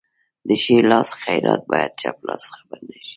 د ښي لاس خیرات باید چپ لاس خبر نشي.